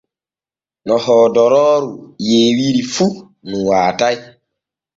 No hodorooru yeewiri fu nu waatay.